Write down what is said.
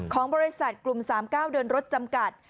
ของบริษัทกลุ่ม๓๙เดินรถจำกัด